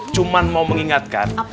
cuma mau mengingatkan